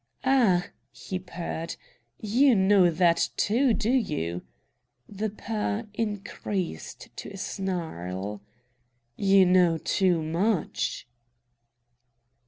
"Ah!" he purred, "you know that, too, do you?" The purr increased to a snarl. "You know too much!"